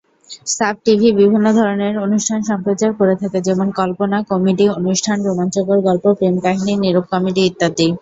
Sub TV বিভিন্ন ধরনের অনুষ্ঠান সম্প্রচার করে থাকে, যেমন: কল্পনা, কমেডি অনুষ্ঠান, রোমাঞ্চকর গল্প, প্রেম কাহিনী, নীরব কমেডি ইত্যাদি।